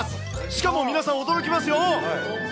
しかも皆さん驚きますよ。